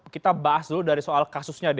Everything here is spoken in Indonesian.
kita bahas dulu dari soal kasusnya